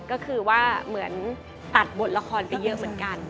ก็คือว่าเหมือนตัดบทละครไปเยอะเหมือนกัน